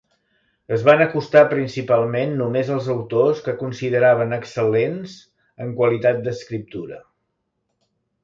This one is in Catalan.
Es van acostar principalment només als autors que consideraven excel·lents en qualitat d'escriptura.